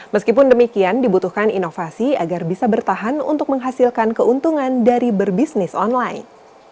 meskipun demikian dibutuhkan inovasi agar bisa bertahan untuk menghasilkan keuntungan dari berbisnis online